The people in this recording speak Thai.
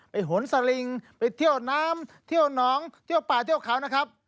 หนสลิงไปเที่ยวน้ำเที่ยวหนองเที่ยวป่าเที่ยวเขานะครับ